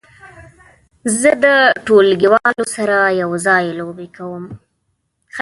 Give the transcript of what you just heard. زه د ټولګیوالو سره یو ځای لوبې کوم.